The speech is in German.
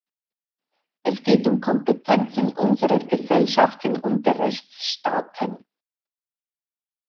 Es geht um Kompetenzen unserer Gesellschaften und der Rechtsstaaten.